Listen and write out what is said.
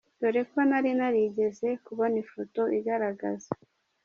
dore ko nari narigeze kubona ifoto igaragaza.